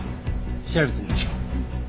調べてみましょう。